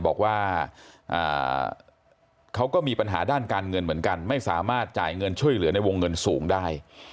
บอกว่าเขาก็มีปัญหาด้านการเงินเหมือนกันไม่สามารถจ่ายเงินช่วยเหลือในวงเงินสูงได้